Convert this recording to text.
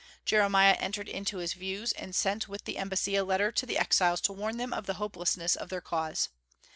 Jeremiah entered into his views, and sent with the embassy a letter to the exiles to warn them of the hopelessness of their cause.